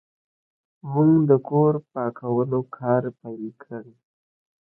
موږ د کور پاکولو کار پیل کړ.